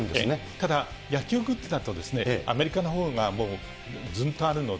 ただ、野球グッズだと、アメリカのほうがもうずんとあるので。